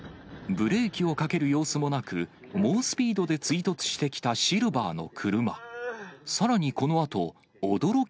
ブレーキをかける様子もなく、猛スピードで追突してきたシルバーの車。